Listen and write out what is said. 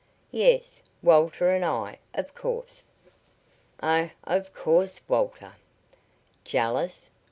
"Yes. Walter and I, of course." "Oh, of course Walter." "Jealous!"